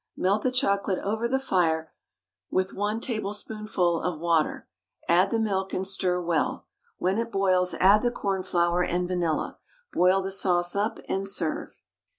Melt the chocolate over the fire with 1 tablespoonful of water, add the milk, and stir well; when it boils add the cornflour and vanilla. Boil the sauce up, and serve.